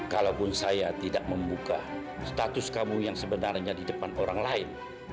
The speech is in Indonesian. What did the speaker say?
kalaupun saya tidak membuka status kamu yang sebenarnya di depan orang lain